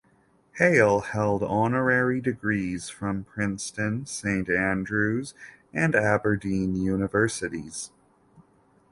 Hale held honorary degrees from Princeton, Saint Andrew's and Aberdeen Universities.